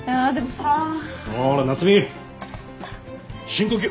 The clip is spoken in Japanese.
ほら夏海深呼吸。